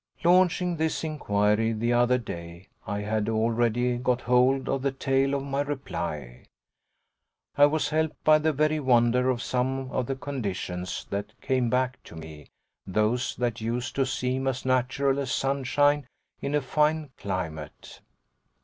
Launching this inquiry the other day I had already got hold of the tail of my reply. I was helped by the very wonder of some of the conditions that came back to me those that used to seem as natural as sunshine in a fine climate.